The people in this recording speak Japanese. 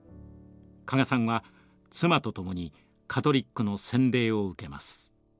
加賀さんは妻と共にカトリックの洗礼を受けます。